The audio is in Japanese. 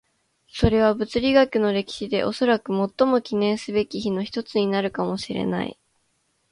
それは物理学の歴史でおそらく最も記念すべき日の一つになるかもしれない。